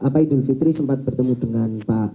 pak idul fitri sempat bertemu dengan pak